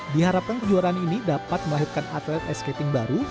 diharapkan kejuaraan ini dapat melahirkan atlet ice skating baru